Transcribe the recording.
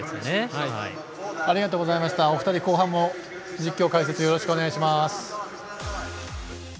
お二人、後半も実況・解説、お願いします。